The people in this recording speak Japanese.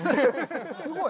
すごい。